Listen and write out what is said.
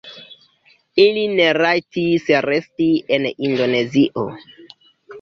Ili ne rajtis resti en Indonezio.